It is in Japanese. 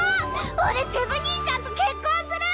俺セブ兄ちゃんと結婚する！